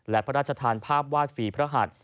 และพระราชทานภาพวาดฝีพระหัส